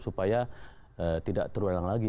supaya tidak terulang lagi